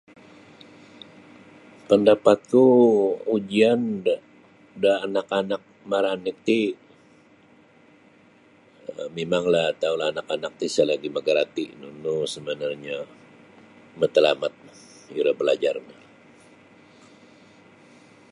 Pendapatku ujian da anak-anak maranik ti um mimanglah taulah anak-anak ti sa lagi magarati nunu sebenarnyo matlamat iro balajar.